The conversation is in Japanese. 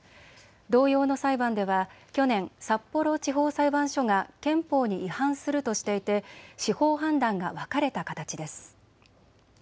同様の裁判では去年、札幌地方裁判所が憲法に違反するとしていて司法判断が分かれた形です。